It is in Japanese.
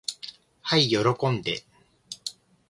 はい喜んで。